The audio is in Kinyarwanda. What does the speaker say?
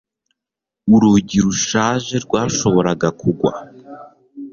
urugi rushaje rwashoboraga kugwa